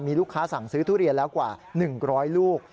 มีลูกค้าสั่งซื้อทุเรียนแล้วกว่า๑๐๐ลูก